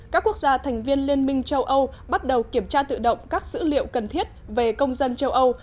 các quốc gia thành viên liên minh châu âu bắt đầu kiểm tra tự động các dữ liệu cần thiết về công dân châu âu